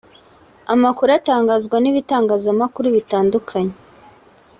Amakuru atangazwa n’ibitangazamakuru bitandukanye